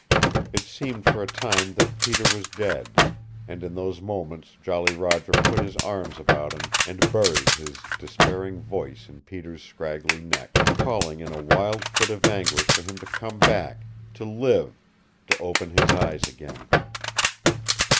It seemed for a time that Peter was dead; and in those moments Jolly Roger put his arms about him and buried his despairing face in Peter's scraggly neck, calling in a wild fit of anguish for him to come back, to live, to open his eyes again.